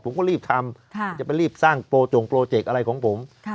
ผมก็รีบทำจะไปรีบสร้างโปรจงโปรเจกต์อะไรของผม